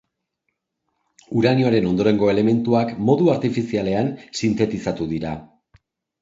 Uranioaren ondorengo elementuak modu artifizialean sintetizatu dira.